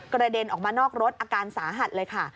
เด็นออกมานอกรถอาการสาหัสเลยค่ะ